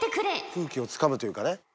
空気をつかむというかね。